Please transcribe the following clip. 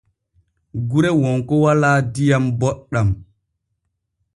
Gure wonko walaa diyam boɗɗam.